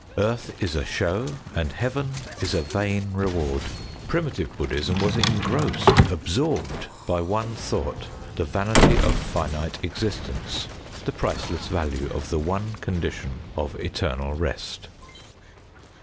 Earth is a show, and Heaven is a vain reward." Primitive Bud╠Żd╠Żhism was engrossed, absorbed, by one thought the vanity of finite existence, the priceless value of the one condition of Eternal Rest.